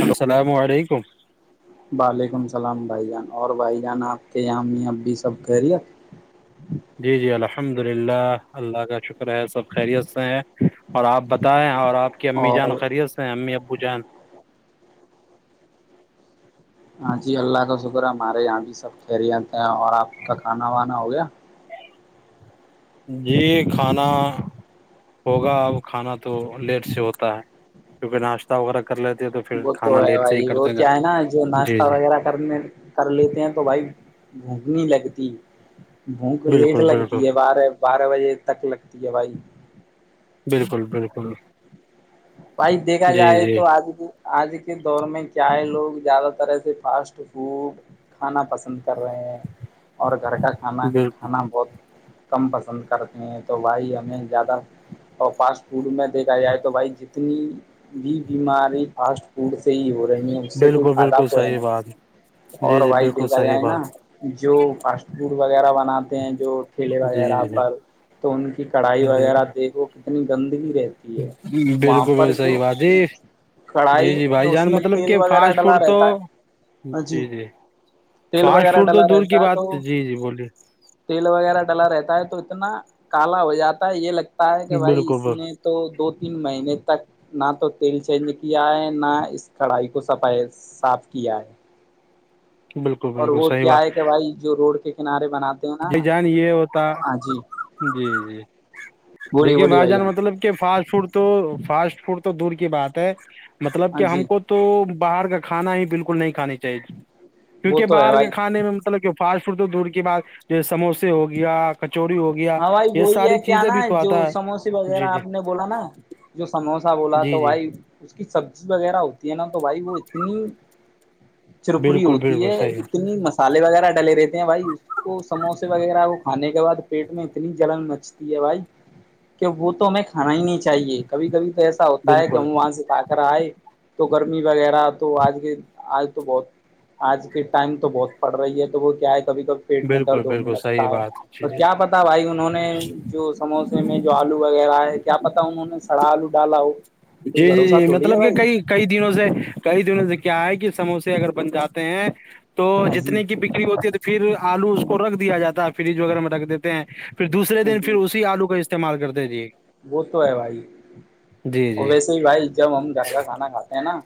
hello السلام علیکم وعلیکم السلام بھائی جان اور بھائی جان آپ کے یہاامی ابھی سب خیریت جی جی الحمد للہ اللہ کا شکر ہے سب خیریت سے ہیں اور آپ بتائیں اور آپ کی امی جان اور خریت سے امی ابو جان ہاں جی اللہ کا شکر ہے ہمارے یہاں بھی سب خریتے ہیں اور آپ کا کھانا وانا ہو گیا جی کھانا ہوگا اب کھانا تو لیٹ سے ہوتا ہے کیونکہ ناشتہ وغیرہ کر لیتےہے تو پھر وہ تو کھانا ہے لیٹ سے ہی بھائی وہ کرتے گا کیا ہے نا جو جی ناشتہ جی وغیرہ کرنے کر لیتے ہیں تو بھائی بھوک نہیں لگتی بھوک لیٹ بالکل بالکل لگتی ہے بارہ بارہ بجے تک لگتی ہے بھائی بالکل بالکل بھائی دیکھا جی جائے جی تو آج بھی آج کے دور میں کیا ہے لوگ زیادہ ترح ایسے فاسٹ فوڈ کھانا پسند کر رہے ہیں اور گھر کا کھانا بالکل کھانا بہت کم پسند کرتے ہیں تو بھائی ہمیں زیادہ اور فاسٹ فوڈ میں دیکھا جائے تو بھائی جہ اتنی بھی بیماری فاسٹ فوڈ سے ہی ہو رہی ہیں اس سے کوئی بالکل فائدہ بالکل تو ہے صحیح نہیں بات جی اور جی بھائی بالکل دیکھا صحیح جائے نا بات جو فاسٹ فوڈ وغیرہ بناتے ہیں جو کھیلے جی وغیرہ جی جی پر تو ان کی کڑھائی جی وغیرہ دیکھو کتنی گندگی رہتی ہے کی وہاں پر بالکل صحیح جو بات ہے جی کڑھائی جی بھائی اس جان میں مطلب تیل کہ وغیرہ فاسٹ فوڈ ڈلا تو رہتا ہے جی جی تیل فاسٹ وغیرہ فوڈ تو ڈلا دور کی رہتا ہے بات تھی تو جی جی بولیے تیل وغیرہ ڈلا رہتا ہے تو اتنا کالا ہو جاتا ہے یہ لگتا ہے کہ بھائی بالکل اس نے بالکل تو دو تین مہینے تک ناتو تیل چینج کیا ہے نا اس کڑھائی کو صفائی صاف کیا ہے بالکل اور بالکل وہ صحی کیا بات ہے کہ بھائی جو روڈ کے کنارے بنا بھائی جان یہ ہوتا جی جی بولیے دیکھیے بولیے بھائی جان بھیا مطلب کہ فاسٹ فوڈ تو فاسٹ فوڈ تو دور کی بات ہے مطلب ہاں کہ ہم جی کو تو باہر کا کھانا ہی بالکل نہیں کھانی چاہیے وہ کیونکہ تو ہے باہر کے بھائی کھسنے میں مطلب کیوں فاسٹ فوڈ تو دور کے بعد جو سموسے ہو گیا کچوری ہو گیا ہاں بھائی یہ وہی ساری ہے کہ چیزیں بھی آنا ہے تو جو آتا سموسے وغیرہ جی جی آپ نے بولا نا جو سموسا بولا جی تو جی بھائی اس کی سبزی وغیرہ ہوتی ہے نا تو بھائی وہ اتنی چرپری بالکل ہوتی بالکل ہے صحیح اتنی مست مسالے وغیرہ ڈلے رہتے ہیں بھائی اس کو سموسے وغیرہ کو کھانے کے بعد پیٹ میں اتنی جلن مچتی ہے بھائی کہ وہ تو ہمیں کھانا ہی نہیں چاہیے کبھی کبھی تو ایسا ہوتا ہے کہ بالکل ہم وہاں سے کھا کر آئے تو گرمی وغیرہ تو آج کے آج تو بہت آج کے ٹائم تو بہت پڑ رہی ہے تو وہ کیا ہے کبھی کبھی پیٹ میں بالکل درد ہونے بالکل صحیح لگتا ہے بات جی تو جی کیا پتا بھائی انہوں نے جو سموسے میں جو آلو وغیرہ ہے کیا پتا انہوں نے سڑا آلو ڈالا ہو کوئی جی جی بھروسہ جی تھوڑی ہے مطلب کہ بھائی کئی کئی دنوں سے کئی دنوں سے کیا ہے کہ سموسے اگر بن جاتے ہیں تو ہاں جی جتنے کہ بکری ہوتی ہے تو پھر آلو اس کو رکھ دیا جاتا ہے فریج وغیرہ میں رکھ دیتے ہیں پھر دوسرے ہاں دن پھر جی اسی آلو کا استعمال کر دیجیے وہ تو ہے بھائی اور جی ویسے بی بھائی جب ہم گھر کا کھانا کھاتے ہیں نا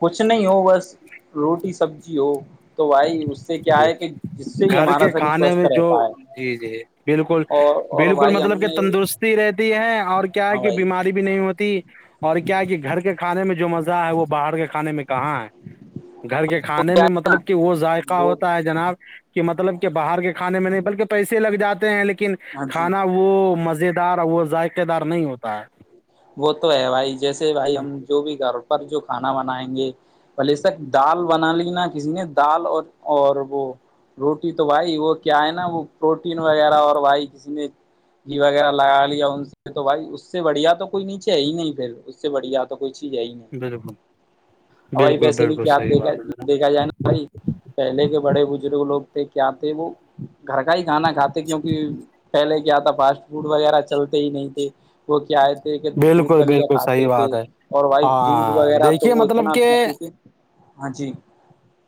کچھ نہیں ہو بس روٹی سبزی ہو تو بھائی اس سے کیا جی ہے کہ جی جس سے ہی گھر ہمارا کے شریر کھانے سوستھ میں جو رہتا ہے جی جی اور اور بھائی ہم نے دیکھتی رہتی ہے اور کیاہے ہاں کہ بھائی بیماری بھی نہیں ہوتی اور کیا کہ گھر کے کھانے میں جو مزہ ہے وہ باہر کے کھانے میں کیا کہاں ہے گھر کے کھانے میں مطلب کہ وہ ذائقہ وہ ہوتا ہے جناب کہ مطلب کہ باہر کے کھانے میں نہیں بلکہ پیسے لگ جاتے ہیں لیکن ہاں کھا جی ناوہ وہ مزے دار وہ ذائقے دار نہیں ہوتا ہے وہ تو ہے بھائی جیسے بھائی ہم جو بھی گھر پر جو کھانا بنائیں گے پہلےسک دال بنا لی نا کسی نے دال اور اور وہ روٹی تو بھائی وہ کیا ہے نا وہ پروٹین وغیرہ اور بھائی کسی نے وغیرہ لگا لیا اس نے تو بھائی اس سے بڑھیا تو کوئی نیچے ہے ہی نہیں پھر سے بڑھیا تو کوئی چیز ہے ہی نہیں بالکل او بھائی بالکل پیسے کی بالکل کیا اپ صحیح دیکھ بات ہے [unintelligible] جناب، دیکھا جایےنا بھائی پہلے کے بڑے بزرگ لوگ تھے کیا تھے وہ گھر کا ہی کھانا کھاتے کیونکہ پہلے کیا تھا فسٹ فوڈ وغیرہ چلتے ہی نہیں تھے وہ کیا ہے ٹھیک ہے دودھ بالکل دلیا بالکل صحیح کھاتے تھے بات ہے اور بھایی دودھ ہاں وغیرہ تو دیکھیے وہ مطلب اتنا کہ پیتے تھے ہاں جی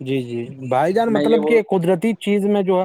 جی جی بھائی جان میں یہ مطلب بول کہ قدرتی چیز میں جو ہے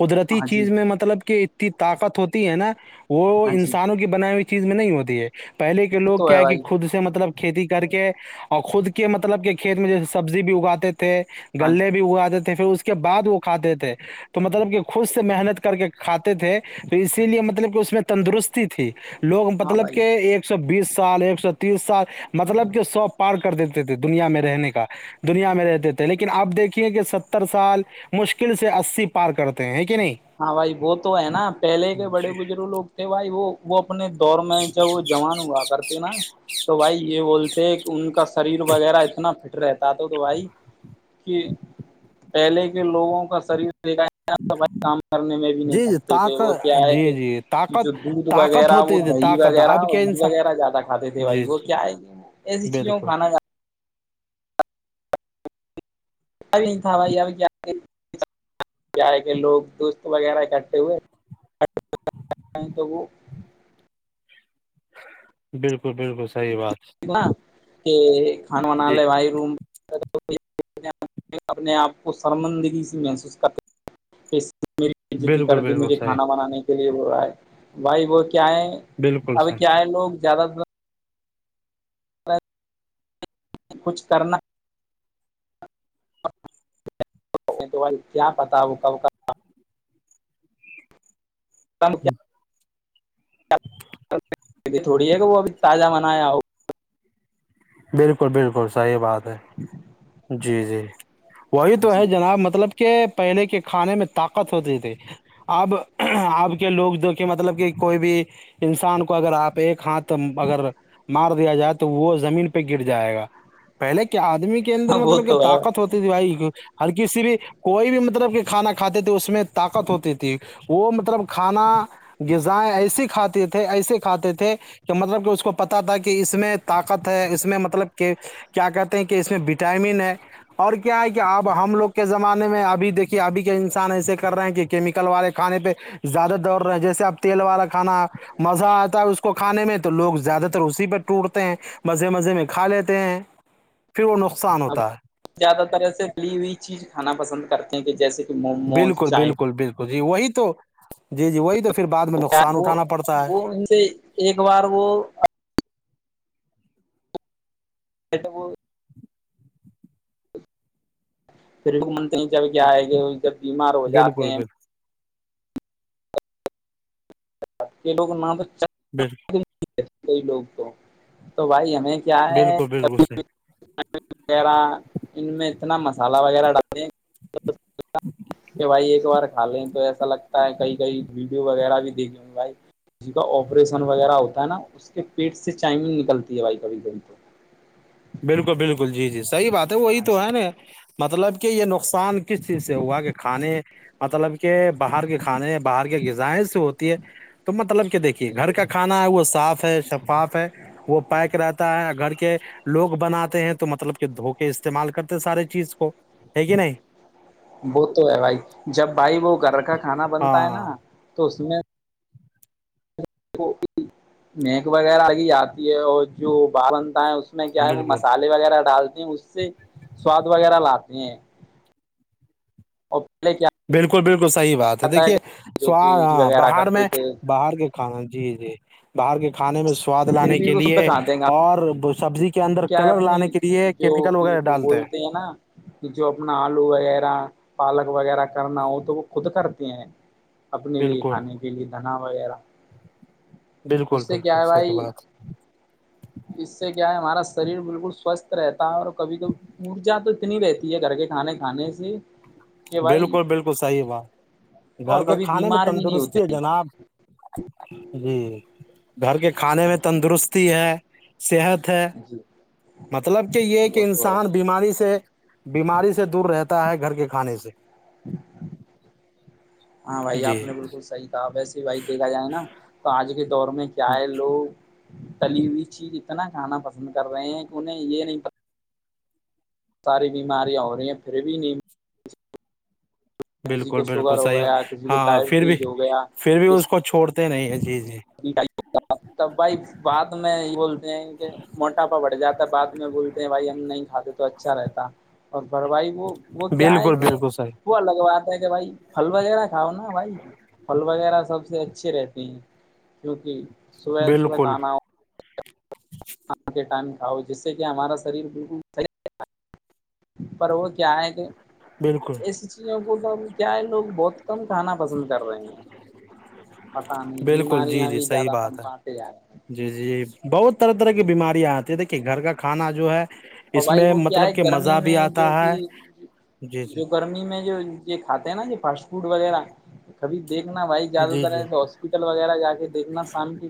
قدرتی ہاں جی چیز میں مطلب کہ اتنی طاقت ہوتی ہے نا وہ ہاں جی انسان وہ یہ بنائی ہوئی چیز میں نہیں ہوتی ہے پہلے کے لوگ تو کیا ہے ہےکہ بھائی خود سے مطلب کھیتی کر کے اور خود کے مطلب کے کھیت میں جیسے سبزی بھی اگاتے تھے ہاں جی گلے بھی وہ عادت ہے پھر اس کے بعد وہ کھاتے تھے تو مطلب کہ خود سے محنت کر کے کھاتے تھے تو اسی لیے مطلب کہ اس نے تندرستی تھی لوگ ہاں مطلب بھائی کہ ایکسوبیس سال ایکسوتس سال مطلب کہ سو پارکر دیتے تھے دنیا میں رہنے کا دنیا میں رہتے تھے لیکن اب دیکھیے کہ ساتر سال مشکل سے آسی پار کرتے ہیں کہ نہیں ہاں بھائی وہ تو ہے نا پہلے کے بڑے جی بجروگ لوگ نہیں بھائی وہ اپنے دور میں کیا وہ جوان ہوا کرتے نا تو بھائی یہ بولتے ہیں کہ ان کا سریر وغیرہ اتنا فٹ رہتا تو بھائی کہ پہلے کے لوگوں کا شریر دیکھا جائے نہ تو بھایی کام کرنے میں بھی نہیں جی جی تھکتے تھے وہ کیا طاقت ہے جی کہ جی جو طاقت دودھ طاقت وغیرہ وہ ہوتی تھی دہی طاقت وغیرہ اب کیا اور انسان وغیرہ زیادہ کھاتے تھے بھائی جی وہ جی کیا ہے کہ ایسی چیزوں کو بالکل کھانا کھا [inaudible] کیا ہے کہ لوگ دوست وغیرہ اکٹھے ہوئے [unintelligible] تو وہ بالکل بالکل صحیح بات کتنا تے کھان بنا جی لے بھائی روم [unintelligible] اپنے اپ کو سرمندگی سے محسوس کر میری بے عزتی کر بالکل دے بالکل صحیح مجھےکھانا بنانے اسی لیے [unintelligible] بھائی وہ کیا ہے بالکل اب کیا صحیح ہے لوگ زیادہ طر کچھ کرنا بھائی کیا پتا وہ کب کر [inaudible] [unintelligible] تھوڑی ہے کہ وہ ابھی تازہ بنایا ہو بالکل بالکل صحیح بات ہے جی جی وہی ہو تو ہے جی جناب مطلب کہ پہلے کے کھانے میں طاقت ہوتی تھی اب اپ کے لوگ دو کھے مطلب کہ کوئی بھی انسان کو اگر اپ ایک ہاتھ تم اگر مار دیا جائے تو وہ زمین پہ گر جائے گا پہلے کے ادمی کے اندر وہ مطلب کہ تو ہے طاقت ہوتی تے بھائی ہر کسی کوئی بھی مطلب کہ کھانا کھاتے تھے اس میں طاقت ہوتی تھی وہ مطلب کھانا غذائیں ایسے کھاتے تھے ایسے کھاتے تھے کہ مطلب کہ اس کو پتہ تھا کہ اس میں طاقت ہےاس میں مطلب کہ کیا کہتے ہیں کہ اس میں وٹامن ہے اور کیا ہے کہ اب ہم لوگ کے زمانے میں ابھی دیکھیں ابھی کے انسان ایسے کر رہے ہیں کہ کیمیکل والے کھانے پہ زیادہ دور رہا ہے جیسے اپ تیل والا کھانا مزہ اتا ہے اس کو کھانے میں تو لوگ زیادہ تر اسی پہ ٹوٹتے ہیں بس مزے مزے میں کھا لیتے ہیں پھر وہ نقصان ہوتا ہے زیادہ تر ایسے ابلی ہوئی چیز کھانا پسند کرتے ہیں کہ جیسے کہ موموز بالکل چائے بالکل بالکل جی وہی تو جی جی وہی تو پھر بعد میں نقصان وہ اٹھانا پڑتا ہے وہ ان سے ایک بار وہ [unintelligible] پھر [unintelligible] منتے کیا آئے گے جب بیمار ہو جاتے بالکل ہیں بالکل یہ لوگ ما [unintelligible] بال [unintelligible] کویی لوگ تو تو بھائی ہمیں کیا بالکل بالکل صحیح ہےبھی وغیرہ ان میں اتنا مسالحہ وغیرہ ڈالے [unintelligible] کہ بھائی ایک بار کھا لیں تو ایسا لگتا ہے کئی کئی ویڈیو وغیرہ بھی دیکھیں گے بھائی جس کا آپریشن وغیرہ ہوتا ہے نا اس کے پیٹ سے چائمنگ نکلتی ہے بھائی کبھی کھی بالکل بالکل جی جی صحیح بات ہے وہی ہاں تو ہے نا مطلب کہ یہ نقصان کس چیز سے ہوا کہ کھانے مطلب کہ باہر کے کھانے باہر کے غذائ سے ہوتی ہے تو مطلب کہ دیکھیے گھر جی کا کھانا ہے وہ صاف ہے شفاف ہے وہ پیک رہتا ہے گھر کے لوگ بناتے ہیں تو مطلب کہ دھوکے استعمال کرتے سارے چیز کو ہے کہ نہیں وہ تو ہے بھائی جب بھائی وہ گھر کا کھانا بنتا ہے ہاں نا تو اس میں مہک وغیرہ اگے آتی ہے اور جو با بنتا ہے اس میں کیا ہے وہ بالکل مسال وغیرہ ڈالتے ہیں اس سے سواد وغیرہ لاتے ہیں اور پہلے کیا بالکل بالکل صحیح بات ہے آتا دیکھیے جو سو کہ ہاں وغیرہ باہر کرتے میں تھے باہر کے کھانا جی جی باہر کے کھانے میں سواد پھر لانے بھی کے وہ شدھ لیے کھاتے ہیں اور سبزی کے اندر کیا ہے کلر لانے کے لیے کیمیکل وغیرہ ڈالتے ہیں ہے نا کہ جو اپنا آلو وغیرہ پالک وغیرہ کرنا وہ تو وہ خود کرتے ہیں اپنے لیے بالکل کھانے کے لیے دھنا وغیرہ بالکل اس سے کیا بالکل ہے سحی بھائی بات ہے اس سے کیا ہے ہمارا شریر بالکل سوستھ رہتا ہے اور کبھی کبھی اورجا تو اتنی رہتی ہے گھر کے کھانے کھانے سے کہ بھائی بالکل بالکل صحیح بات اور گھر کے کبھی کھانے میں بیمار بھی نہیں تندرستی ہے ہوتے جناب جی گھر کے کھانے ہاں میں جی تندرستی ہے صیحت ہے جی مطلب کہ یہ وہ کہ تو ہے انسان بیماری سے بیماری سے دور رہتا ہے گھر کے کھانے سے ہاں بھائی آپ جی نے بل بالکل صحیح کہا ویسے بھائی دیکھا جائے نا تو آج کے دور میں کیا ہے لوگ تلی ہوئی چیز اتنا کھانا پسند کر رہے ہیں کہ انہیں یہ نہیں پتا ساری بیماریاں ہو رہی ہیں پھر بھی نہیں کسی بالکل کو بالکل شوگر ہو صحیح گیا بات- کسی کو ہاں پھر بھی ڈائبٹیز ہو گیا پھر بھی اس کو کسی چھوڑتے نہیں ہیں جی جی [unintelligible] بھائی بعد میں یہ بولتے ہیں کہ موٹاپا بڑھ جاتا ہے بعد میں وہ بولتے ہیں بھائی ہم نہیں کھاتے تو اچھا رہتا اور پر بھائی وہ وہ کیا ہے بالکل کہ بالکل صحیح وہ الگ بات کہ بھائی پھل وغیرہ کھاؤ نا بھائی پھل وغیرہ سب سے اچھے رہتے ہیں کیونکہ صبح صبح بالکل کنا ہو کے ٹائم کھاؤ جس سے کہ ہمارا شریر بالکل [unintelligible] پر وہ کیا ہے کہ بالکل ایسی چیزوں کو تو ہم کیا ہے لوگ بہت کم کھانا پسند کر رہے ہیں پتا نہیں بالکل جی بیماریاں جی بھی صحیح زیادہ بات ہے تنپاتے ہیں جی جی بہت طرح طرح کی جی، بیماریاں آتی ہے دیکھیے گھر کا کھانا جو ہے اور اس بھائی میں وہ کیا ہے مطلب کہ گرمی مزہ بھی میں آتا جو ہے کہ جی جو جی گرمی میں جو یہ کھاتے ہیں نا یہ فاسٹ فوڈ وغیرہ کبھی دیکھنا بھائی زیادہ جی تر جی ایسے ہاس ہاسپٹل وغیرہ جا کے دیکھنا شام کی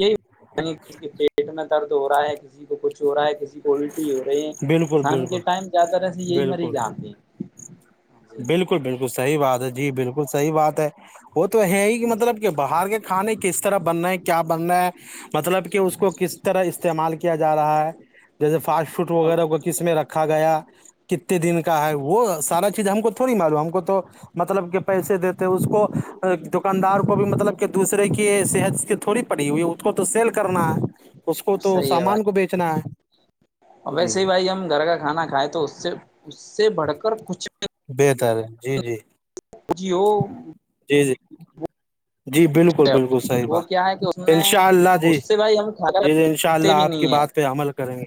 یے [unintelligible] پتا نہیں کسی کے پیٹ میں درد ہو رہا ہے کسی کو کچھ ہو رہا ہے کسی کو اولٹی ہو رہی ہیں بالکل شام کے بالکل ٹائم زیادہ تر سے یہی بالکل مریض آتے ہیں جی بالکل بالکل صحیح بات ہے جی بالکل صحی بات ہے وہ تو ہے ہی کہ ہاں جی مطلب کہ باہر کے کھانے کس طرح بن رہے ہیں کیا بن رہے ہیں مطلب کہ اس ہاں کو جی کس طرح استعمال کیا جا رہا ہے جیسے فاسٹ فوٹ اب وغیرہ کو کس میں رکھا گیا کتنے دن کا ہے وہ سارا چیز ہم کو تھوڑی معلوم ہم کو تو مطلب کہ پیسے دیتے اس کو دکاندار کو بھی مطلب کہ دوسرے کی صحت کی تھوڑی پڑی ہوئی اس کو تو سیل کرنا ہے اس کو تو صحیح ہے سامان بھائی کو بیچنا ہے جی ویسے ہی بھائی ہم گھر کا کھاناکھایا تو اس سے اس سے بڑھ کر کچھ بہتر ہے جی جی جی ہو جی جی جی بالکل بالکل صحیح وہ کیا ہے کہ اس بات ان میں شاء اللہ جی اس سے بھائی ہم کھاتا جی جی ان شاء رکھتے اللہ بھی آپ کی نہیں ہیں بات پے عمل کریں گے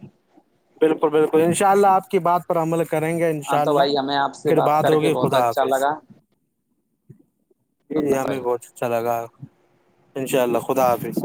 بالکل بالکل ان شاء اللہ آپ کی بات پر عمل کریں گے ہاں شاء تو اللہ بھائی ہمیں آپ سے پھر بات کر کے ہوگی بہت خدا اچھا حافظ لگا جی جی ہمیں بی بہت اچھا لگا ان شاء اللہ خدا حافظ